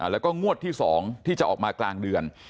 แล้วก็งวดที่๒ที่จะออกมากลางเดือน